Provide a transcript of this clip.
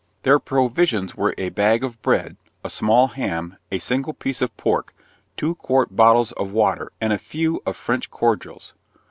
Their provisions were a bag of bread, a small ham, a single piece of pork, two quart bottles of water, and a few of French cordials.